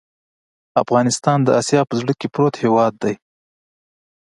افغانستان د آسیا په زړه کې پروت هېواد دی.